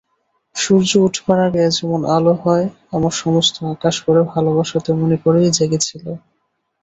সূর্য ওঠবার আগে যেমন আলো হয় আমার সমস্ত আকাশ ভরে ভালোবাসা তেমনি করেই জেগেছিল।